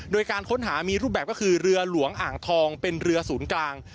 โดยการค้นหามีรูปแบบก็คือเรือหลวงอ่างทองเป็นเรือศูนย์กลาง